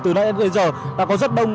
từ nãy đến bây giờ đã có rất đông